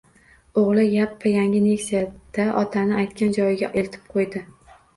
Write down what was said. O‘g‘li yap-yangi Neksiyada otani aytgan joyiga eltib qo‘ydi